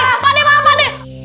pak d pak d